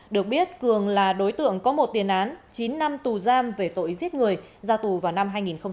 được biết cường là đối tượng có một tiền án chín năm tù giam về tội giết người ra tù vào năm hai nghìn một mươi